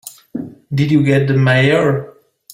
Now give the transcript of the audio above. Did you get the Mayor?